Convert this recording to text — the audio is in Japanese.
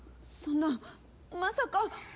そんなまさか！